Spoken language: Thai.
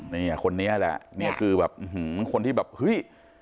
เนี่ยคนนี้แหละเนี่ยคือแบบคนที่แบบเฮ้ย